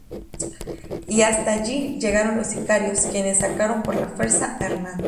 Y hasta allí llegaron los sicarios, quienes sacaron por la fuerza a Hernán.